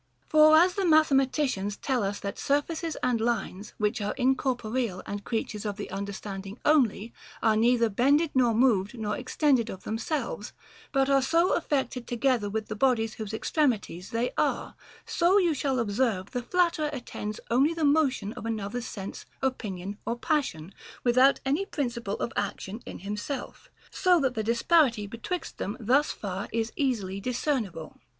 For, as the mathematicians tell us that surfaces and lines, which are incorporeal and creatures of the understanding only, are neither bended nor moved nor extended of themselves, but are so affected together with the bodies whose extremities they are ; so you shall ob serve the flatterer attends only the motion of another's sense, opinion, or passion, without any principle of action in himself. So that the disparity betwixt them thus far is easily discernible.